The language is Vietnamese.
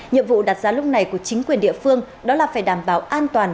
nhiệm vụ đặt ra lúc này của chính quyền địa phương đó là phải đảm bảo an toàn